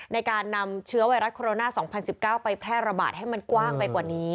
ในการนำเชื้อไวรัสโคโรนา๒๐๑๙ไปแพร่ระบาดให้มันกว้างไปกว่านี้